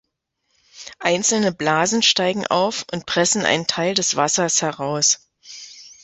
Einzelne Blasen steigen auf, und pressen einen Teil des Wassers heraus.